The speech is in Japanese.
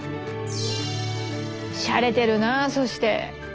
しゃれてるなそして。